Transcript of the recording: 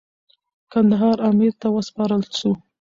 کندهار امیر ته وسپارل سو.